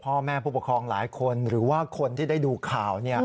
พ่อแม่ผู้ปกครองหลายคนหรือว่าคนที่ได้ดูข่าว